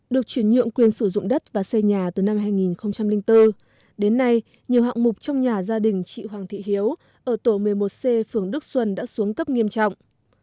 được chuyển nhượng quyền sử dụng đất và xây nhà từ năm hai nghìn bốn đến nay nhiều hạng mục trong nhà gia đình chị hoàng thị hiếu ở tổ một mươi một c phường đức xuân đã xuống cấp nghiêm trọng